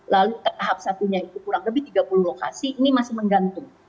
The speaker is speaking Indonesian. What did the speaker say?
lalu tahap satunya itu kurang lebih tiga puluh lokasi ini masih menggantung